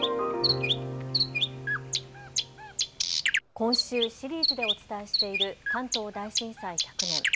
今週、シリーズでお伝えしている関東大震災１００年。